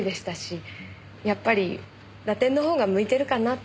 やっぱりラテンの方が向いてるかなって。